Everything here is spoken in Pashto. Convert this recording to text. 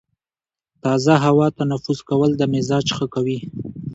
تازه هوا تنفس کول د مزاج ښه کوي.